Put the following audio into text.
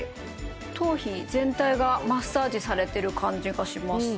頭皮全体がマッサージされてる感じがします